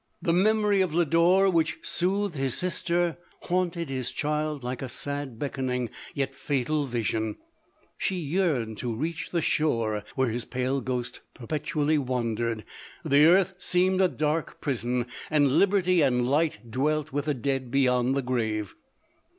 The memory of Lodore, which soothed his sister, haunted his child like a sad beckoning, yet fatal vision ; she yearned to reach the shore where his pale ghost per petually wandered — the earth seemed a dark prison, and liberty and light dwelt with the dead beyond the grave.